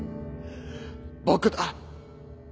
僕だ！